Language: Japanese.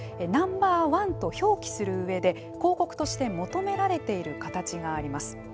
Ｎｏ．１と表記するうえで広告として求められている形があります。